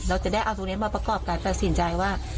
เราจะได้เอาตรงนี้มาประกอบการตัดสินใจว่า